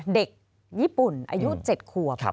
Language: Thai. เด็กญี่ปุ่นอายุ๗ขวบ